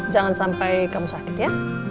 jangan sampai kamu sakit ya